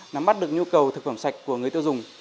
nắm bắt được nhu cầu thực phẩm sạch của người tiêu dùng